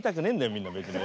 みんな別に。